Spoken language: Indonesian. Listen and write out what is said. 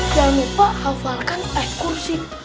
jangan lupa hafalkan teh kursi